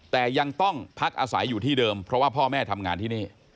แต่ยังต้องพักอาศัยอยู่ที่เดิมเพราะว่าพ่อแม่ทำงานที่นี่